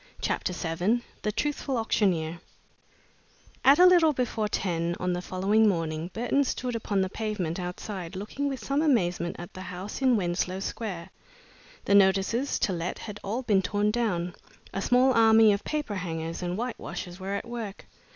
CHAPTER VII THE TRUTHFUL AUCTIONEER At a little before ten on the following morning, Burton stood upon the pavement outside, looking with some amazement at the house in Wenslow Square. The notices "To Let" had all been torn down. A small army of paper hangers and white washers were at work.